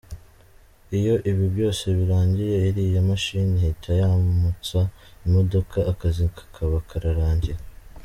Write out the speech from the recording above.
Iyo ibi byose birangiye, iriya mashini ihita yumutsa imodoka, akazi kakaba kararangiye.